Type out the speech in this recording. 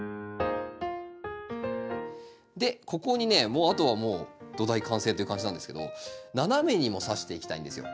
でここにねあとはもう土台完成という感じなんですけど斜めにもさしていきたいんですよ。